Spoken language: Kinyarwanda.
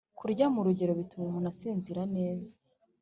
Kurya mu rugero, bituma umuntu asinzira neza,